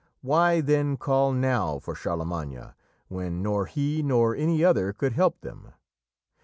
Why, then, call now for Charlemagne, when nor he nor any other could help them?